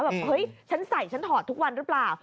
แบบเฮ้ยฉันใส่ฉันถอดทุกวันหรือเปล่า